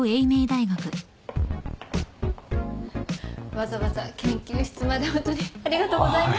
わざわざ研究室までホントにありがとうございます。